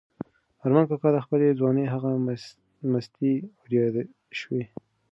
ارمان کاکا ته د خپلې ځوانۍ هغه مستۍ وریادې شوې.